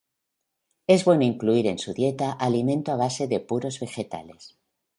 Es bueno incluir en su dieta alimento a base de puros vegetales.